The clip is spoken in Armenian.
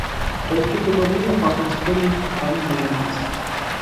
Տորթի կտորները պտրաստվել են թարմ ելակից։